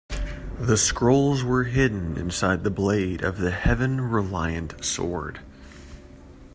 The scrolls were hidden inside the blade of the Heaven Reliant Sword.